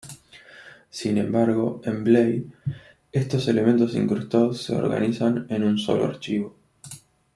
Sin embargo, en Blade estos elementos incrustados se organizan en un sólo archivo.